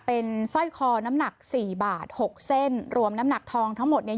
เป็นสร้อยคอน้ำหนักสี่บาทหกเส้นรวมน้ำหนักทองทั้งหมดเนี่ย